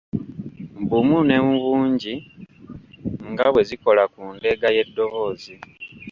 Bumu ne mu bungi nga bwe zikola ku ndeega y’eddoboozi.